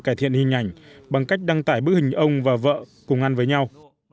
cải thiện hình ảnh bằng cách đăng tải bức hình ông và vợ cùng ăn với nhau